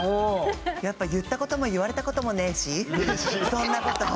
やっぱ言ったことも言われたこともねしそんなこと。